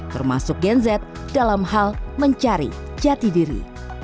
termasuk gen z dalam hal mencari jati diri